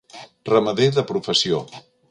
Ramader de professió.